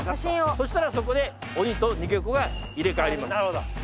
そしたらそこで鬼と逃げ子が入れ替わります。